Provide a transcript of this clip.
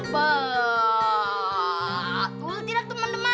betul tidak teman teman